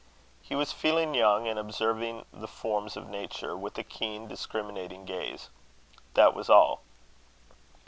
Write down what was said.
He was feeling young, and observing the forms of nature with a keen discriminating gaze: that was all.